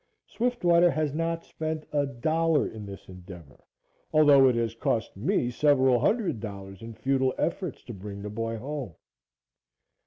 Swiftwater has not spent a dollar in this endeavor, although it has cost me several hundred dollars in futile efforts to bring the boy home.